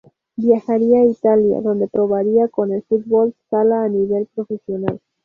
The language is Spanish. Viajaría a Italia, donde probaría con el fútbol sala a nivel profesional.